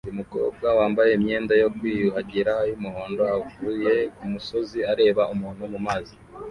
Umukobwa wambaye imyenda yo kwiyuhagira yumuhondo avuye kumusozi areba umuntu mumazi